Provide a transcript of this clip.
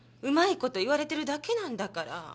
うまいこと言われてるだけなんだから。